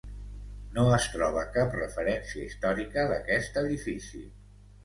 No es troba cap referència històrica d'aquest edifici.